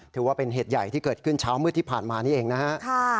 ถือว่าเป็นเหตุใหญ่ที่เกิดขึ้นเช้ามืดที่ผ่านมานี่เองนะฮะ